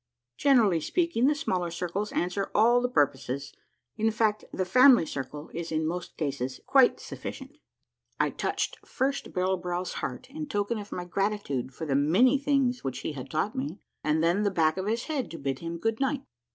Gen erally speaking, the smaller circles answer all the purposes ; in fact, the family circle is in most cases quite sufficient." I touched first Barrel Brow's heart in token of my gratitude for the many things which he had taught me, and then the back of his head to bid him good night.